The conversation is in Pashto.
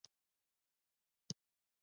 روایت بدل شي، حقیقت پټ شي.